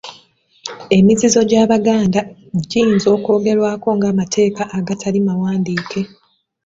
Emizizo gy'Abaganda giyinza okwogerwako nga amateeka agatali mawandiike.